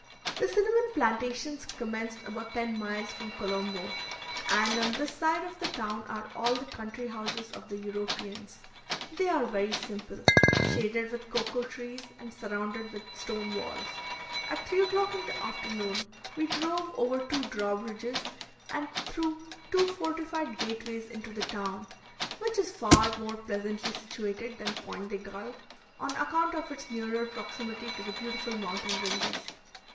The cinnamon plantations commenced about ten miles from Colombo; and on this side of the town are all the country houses of the Europeans. They are very simple, shaded with cocoa trees and surrounded with stone walls. At 3 o'clock in the afternoon, we drove over two draw bridges and through two fortified gateways into the town, which is far more pleasantly situated than Pointe de Galle, on account of its nearer proximity to the beautiful mountain ranges.